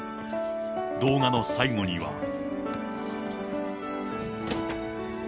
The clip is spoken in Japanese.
動画の最後には。